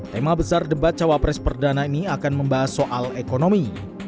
tema besar debat cawapres perdana ini akan membahas soal ekonomi